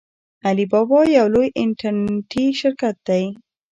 علي بابا یو لوی انټرنیټي شرکت دی.